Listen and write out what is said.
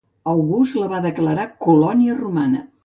August la va declarar colònia romana.